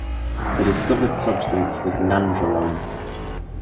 The discovered substance was nandrolone.